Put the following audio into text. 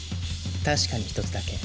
確かに一つだけ。